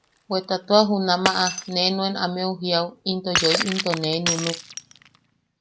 Bweta tua junamaʼa ne nuen ameu jiao into yoim into nee nunuk.